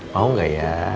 mau gak ya